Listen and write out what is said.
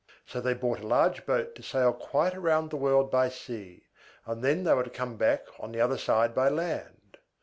So they bought a large boat to sail quite round the world by sea, and then they were to come back on the other side by land.